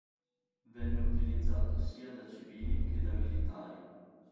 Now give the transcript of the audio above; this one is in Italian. Venne utilizzato sia da civili che da militari.